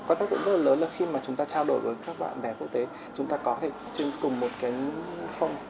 các tác giả rất là lớn là khi mà chúng ta trao đổi với các bạn mẹ quốc tế chúng ta có thể trên cùng một cái phong